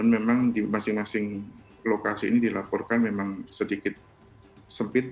memang di masing masing lokasi ini dilaporkan memang sedikit sempit